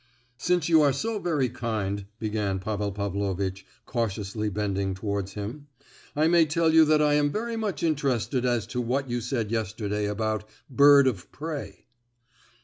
"Since you are so very kind," began Pavel Pavlovitch, cautiously bending towards him, "I may tell you that I am very much interested as to what you said yesterday about 'bird of prey'?"